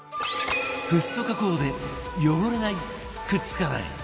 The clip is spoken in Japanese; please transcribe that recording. フッ素加工で汚れないくっつかない